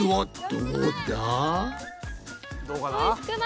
どうかな？